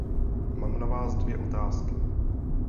Mám na vás dvě otázky.